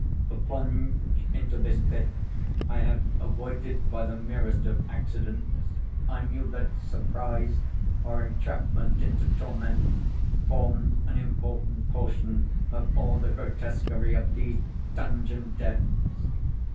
The plunge into this pit I had avoided by the merest of accidents, I knew that surprise, or entrapment into torment, formed an important portion of all the grotesquerie of these dungeon deaths.